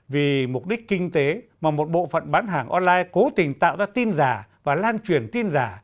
vì mục đích kinh tế mà một bộ phận bán hàng online cố tình tạo ra tin giả và lan truyền tin giả